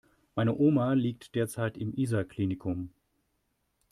Meine Oma liegt derzeit im Isar Klinikum.